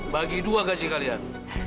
bagi dua gaji kalian